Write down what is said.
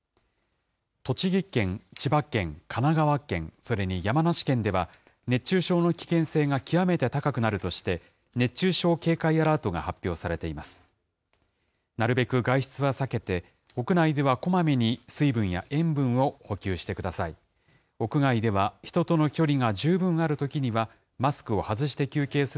栃木県、千葉県、神奈川県、それに山梨県では熱中症の危険性が極めて高くなるとして、熱中症警戒アラートが発表されています。